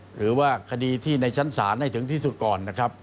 หรือว่าคดีที่ในชั้นศาลให้ถึงที่สุดก่อนนะครับ